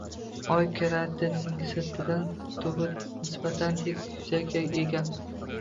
Oy kraterining sirtidagi tubi nisbatan tekis yuzaga ega